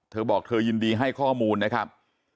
เธอบอกเธอยินดีให้ข้อมูลนะครับ